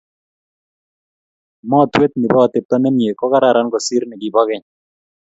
Motwet ni bo atepto ne mie ko kararan kosir ne kibo keny.